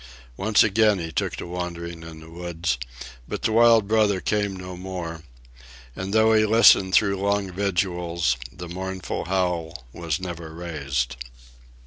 Once again he took to wandering in the woods, but the wild brother came no more; and though he listened through long vigils, the mournful howl was never raised.